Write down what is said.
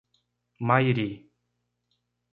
Mairi